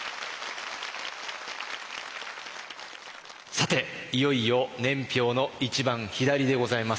さていよいよ年表の一番左でございます。